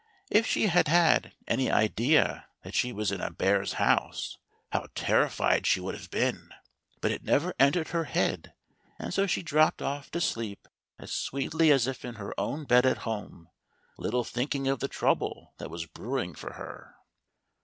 If she had had any idea that she was in a bear's house how terrified she would have been ! But it never entered her head and so she dropped off to sleep as sweetly as if in her own bed at home, little thinking of the trouble that was brewing for her.